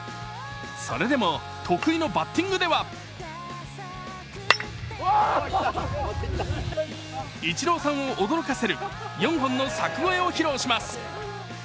それでも得意のバッティングではイチローさんを驚かせる４本の柵越えを披露します。